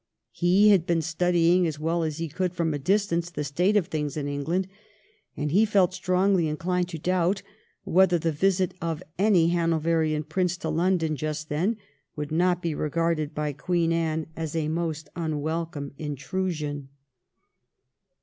He had been studying, as well as he could from a distance, the state of things in England, and he felt strongly inclined to doubt whether the visit of any Hanoverian Prince to London just then would not be regarded by Queen Anne as a most unwelcome intrusion.